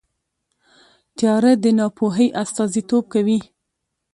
تیاره د ناپوهۍ استازیتوب کوي.